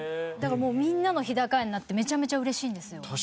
だからもうみんなの日高屋になってめちゃめちゃ嬉しいんですよ。